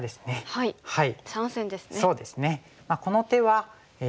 はい。